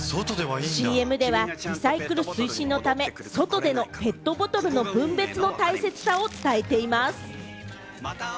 ＣＭではリサイクル推進のため、外でのペットボトルの分別の大切さを伝えています。